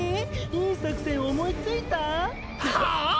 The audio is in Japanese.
いい作戦思いついた？はああ